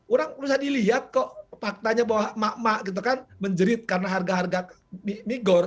orang bisa dilihat kok faktanya bahwa mak mak menjerit karena harga harga migor